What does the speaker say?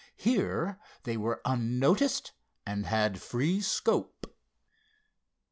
Here they were unnoticed and had free scope.